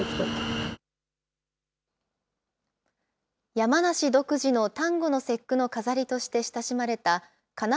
山梨独自の端午の節句の飾りとして親しまれたかな